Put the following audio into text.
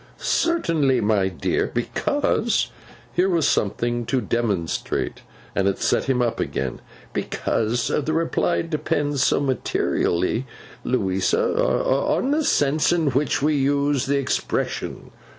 'Certainly, my dear. Because;' here was something to demonstrate, and it set him up again; 'because the reply depends so materially, Louisa, on the sense in which we use the expression.